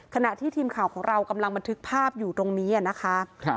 ขณะที่ทีมข่าวของเรากำลังบันทึกภาพอยู่ตรงนี้นะคะ